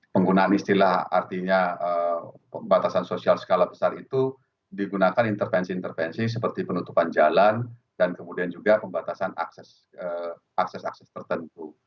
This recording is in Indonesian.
penggunaan istilah artinya pembatasan sosial skala besar itu digunakan intervensi intervensi seperti penutupan jalan dan kemudian juga pembatasan akses akses tertentu